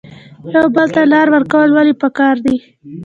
یو بل ته لار ورکول ولې پکار دي؟